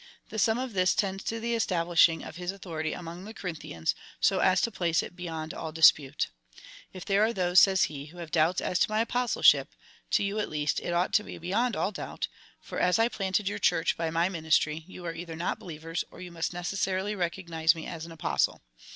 The sum of this tends to the establishing of his authority among the Corinthians, so as to place it beyond all dispute. " If there are those," says he, " who have doubts as to my Apostleship, to you, at least, it ouglit to be beyond all doubt, for, as I planted your 1 See pp. 128 130. VOL. I. T 290 COMMENTARY ON TUB CHAP. IX. 3. Church by my ministry, you are cither not believers, or you must necessarily recognise mc as an Apostle.